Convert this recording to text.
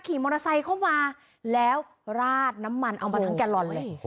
ขี่มอเตอร์ไซค์เข้ามาแล้วราดน้ำมันเอามาทั้งแกลลอนเลย